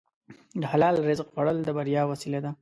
د حلال رزق خوړل د بریا وسیله ده.